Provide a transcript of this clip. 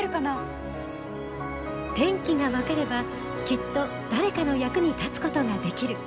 天気が分かればきっと誰かの役に立つことができる。